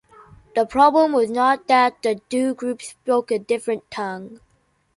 The problem was not that the two groups spoke a different tongue.